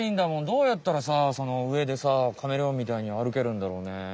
どうやったらさその上でさカメレオンみたいにあるけるんだろうね。